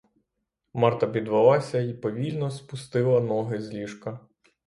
Марта підвелася й повільно спустила ноги з ліжка.